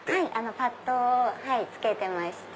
パッドを付けてまして。